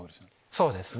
そうですね。